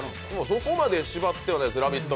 そこまで縛ってはないです、「ラヴィット！」